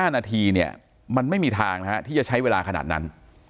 ๕นาทีเนี่ยมันไม่มีทางที่จะใช้เวลาขนาดนั้น